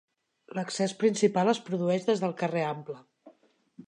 L'accés principal es produeix des del carrer Ample.